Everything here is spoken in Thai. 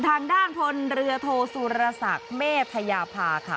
ทางด้านพลเรือโทสุรศักดิ์เมธยาภาค่ะ